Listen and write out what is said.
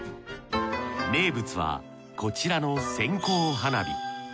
名物はこちらの線香花火。